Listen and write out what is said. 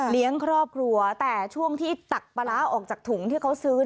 เลี้ยงครอบครัวแต่ช่วงที่ตักปลาร้าออกจากถุงที่เขาซื้อ